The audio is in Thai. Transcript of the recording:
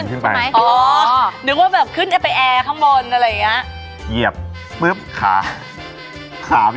เป็นบาทยักษ์แล้วยังซ้อมต่อ